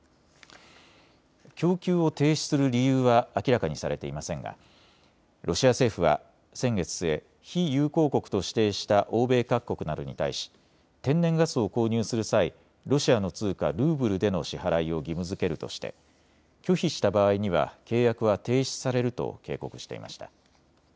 供給を停止する理由は明らかにされていませんがロシア政府は先月末、非友好国と指定した欧米各国などに対し天然ガスを購入する際、ロシアの通貨ルーブルでの支払いを義務づけるとして拒否した場合には契約は停止されると警告していました。